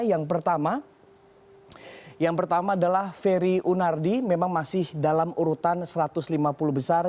yang pertama yang pertama adalah ferry unardi memang masih dalam urutan satu ratus lima puluh besar